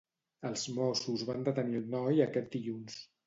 Els Mossos van detenir el noi aquest dilluns.